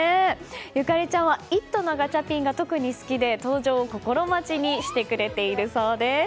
紫ちゃんは「イット！」のガチャピンが特に好きで登場を心待ちにしてくれているそうです。